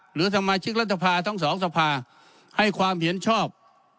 หรือสมาชิกรัฐภาทั้งสองสภาให้ความเห็นชอบ